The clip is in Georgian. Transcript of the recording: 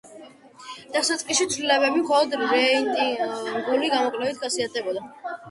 დასაწყისში ცვლილებები მხოლოდ რენტგენოლოგიური გამოკვლევებით ხასიათდება.